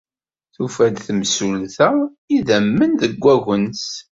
Tufa-d temsulta idammen deg wagens.